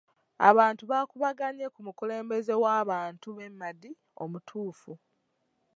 Abantu baakuubaganye ku mukulembeze w'abantu b'e Madi omutuufu.